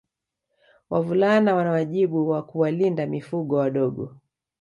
Wavulana wana wajibu wa kuwalinda mifugo wadogo